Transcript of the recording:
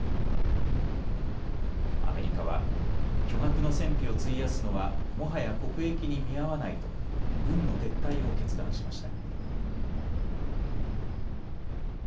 アメリカは巨額の戦費を費やすのはもはや国益に見合わないと軍の撤退を決断しました。